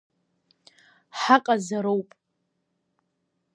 Ҳаҟазароуп.